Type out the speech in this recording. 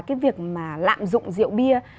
cái việc mà lạm dụng rượu bia